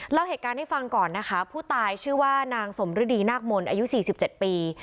เล่าเหตุการณ์ให้ฟังก่อนนะคะผู้ตายชื่อว่านางสมฤดีนาคมนต์อายุ๔๗ปี